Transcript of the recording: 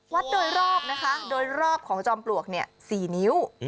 โดยรอบนะคะโดยรอบของจอมปลวก๔นิ้ว